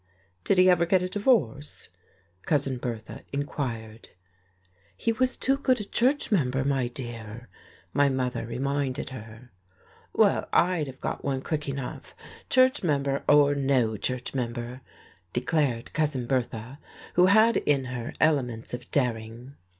"Did he ever get a divorce?" Cousin Bertha inquired. "He was too good a church member, my dear," my mother reminded her. "Well, I'd have got one quick enough, church member or no church member," declared Cousin Bertha, who had in her elements of daring.